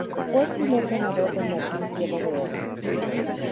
Fue el primer ganador del Martín Fierro de Oro.